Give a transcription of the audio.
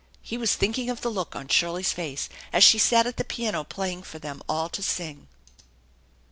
He was thinking of the look on Shirley's face as she sat at the piano playing for them all to sing.